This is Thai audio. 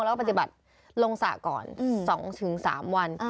แล้วก็ปฏิบัติลงสระก่อน๒๓วัน